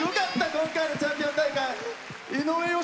今回の「チャンピオン大会」。